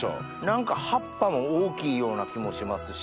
何か葉っぱも大きいような気もしますし。